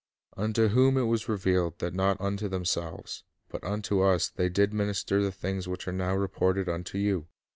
... Unto whom it was revealed, that not unto themselves, but unto us they did minister the things which are now reported unto you